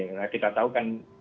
nah kita tahu kan